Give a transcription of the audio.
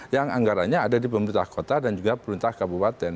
yang anggarannya ada di pemerintah kota dan juga pemerintah kabupaten